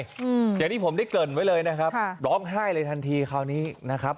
อย่างที่ผมได้เกริ่นไว้เลยนะครับค่ะร้องไห้เลยทันทีคราวนี้นะครับ